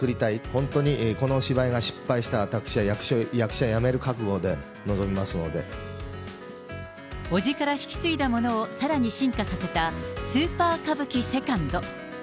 本当にこの芝居が失敗したら私は伯父から引き継いだものをさらに進化させたスーパー歌舞伎セカンド。